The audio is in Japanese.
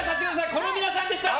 この皆さんでした。